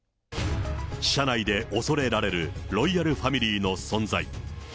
社内で恐れられるロイヤルファミリーの存在。